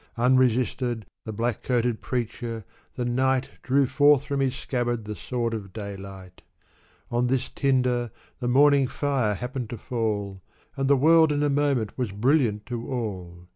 Unresisted, the black coated preacher, the night, Drew forth from his scabbard the sword of daylight. On this tinder, the morning fire happened to fall, And the world in a moment was brilliant to all.